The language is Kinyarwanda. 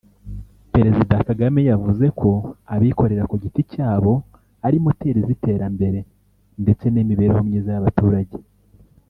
Perezida Kagame yavuze ko abikorera ku giti cyabo ari moteri z’iterambere ndetse n’imibereho myiza y’abaturage